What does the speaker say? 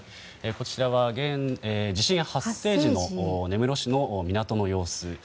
こちらは地震発生時の根室市の港の様子。